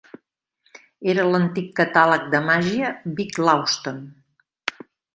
Era l'antic catàleg de màgia "Vick Lawston".